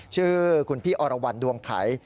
ชื่อคุณพี่อรวรรณดวงไข